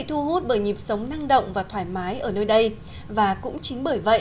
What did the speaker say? chúng tôi chúc mọi người một năm vui vẻ